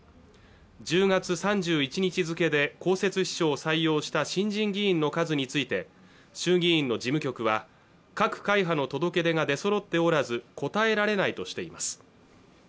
１０月３１日付で公設秘書を採用した新人議員の数について衆議院の事務局は各会派の届け出が出そろっておらず答えられないとしています